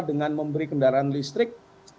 dengan memberi kendaraan listrik